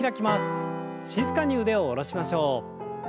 静かに腕を下ろしましょう。